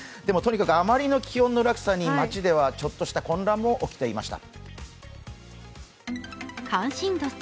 あまりの気温の落差に街ではちょっとした混乱も起きていました。